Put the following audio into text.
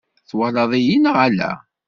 Twalaḍ-iyi neɣ ala?